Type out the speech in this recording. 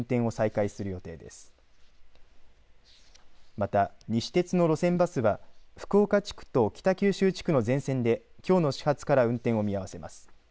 また、西鉄の路線バスは福岡地区と北九州地区の全線できょうの始発から運転を見合わせます。